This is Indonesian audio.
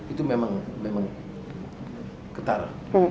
itu memang ketara